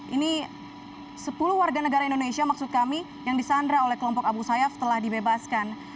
ini sepuluh warga negara indonesia maksud kami yang disandra oleh kelompok abu sayyaf telah dibebaskan